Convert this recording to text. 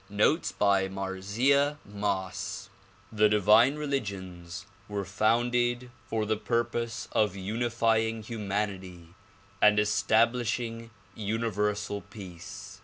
Notes by Marzieh Moss THE divine religions were founded for the purpose of unifying humanity and establishing Universal Peace.